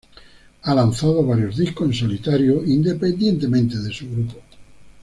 Ha lanzado varios discos en solitario independientemente de su grupo.